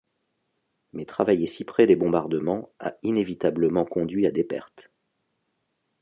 Mais travailler si près des bombardements a inévitablement conduit à des pertes.